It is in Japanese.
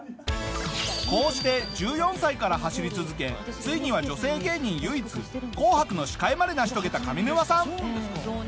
こうして１４歳から走り続けついには女性芸人唯一『紅白』の司会まで成し遂げた上沼さん。